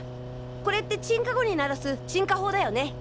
これって鎮火後に鳴らす鎮火報だよね？